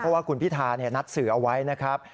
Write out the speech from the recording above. เพราะว่าคุณพิธานัดสื่อเอาไว้นะครับ